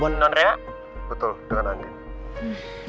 dengan bu andin